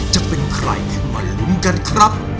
จะเป็นใครมาลุ้นกันครับ